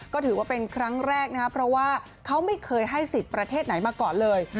ก็ถือว่าเป็นครั้งแรกนะครับเพราะว่าเขาไม่เคยให้สิทธิ์ประเทศไหนมาก่อนเลย